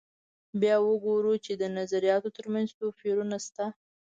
بیا وګورو چې د نظریاتو تر منځ توپیرونه شته.